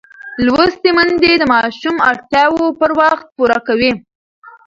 لوستې میندې د ماشوم اړتیاوې پر وخت پوره کوي.